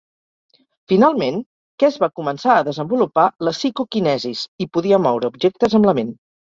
Finalment, Kes va començar a desenvolupar la psicoquinesis i podia moure objectes amb la ment.